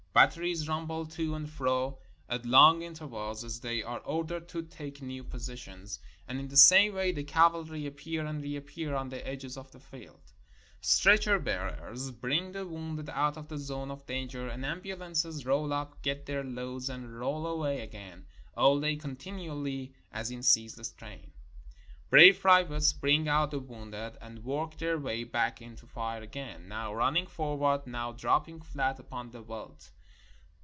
Batteries rumble to and fro at long intervals, as they are ordered to take new positions, and in the same way the cavalry appear and reappear on the edges of the field. Stretcher bearers bring the wounded out of the zone of danger, and ambulances roll up, get their loads, and roll away again, all day continually as in a ceaseless train. Brave privates bring out the wounded, and work their way back into fire again, now running forward, now dropping flat upon the veldt.